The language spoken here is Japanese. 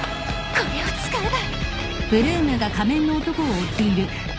これを使えば。